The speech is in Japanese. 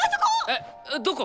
えっどこ！？